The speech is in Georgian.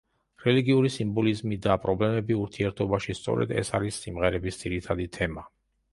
რელიგიური სიმბოლიზმი და პრობლემები ურთიერთობაში, სწორედ ეს არის სიმღერების ძირითადი თემა.